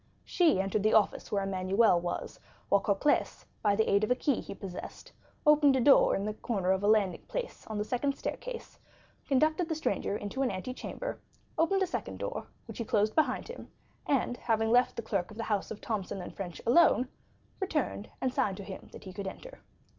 She entered the office where Emmanuel was, while Cocles, by the aid of a key he possessed, opened a door in the corner of a landing place on the second staircase, conducted the stranger into an antechamber, opened a second door, which he closed behind him, and after having left the clerk of the house of Thomson & French alone, returned and signed to him that he could enter.